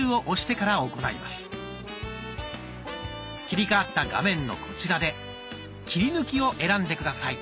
切り替わった画面のこちらで「切り抜き」を選んで下さい。